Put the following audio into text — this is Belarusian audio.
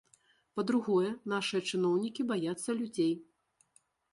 Па-другое, нашыя чыноўнікі баяцца людзей.